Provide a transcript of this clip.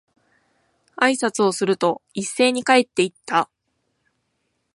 挨拶をすると、一斉に帰って行った。